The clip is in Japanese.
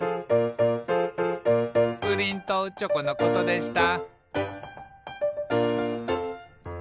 「プリンとチョコのことでした」